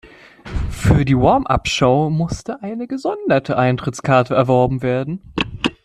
Für die Warm-up-Show musste eine gesonderte Eintrittskarte erworben werden.